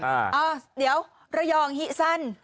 อ่าเดี๋ยวระยองฮิสั้น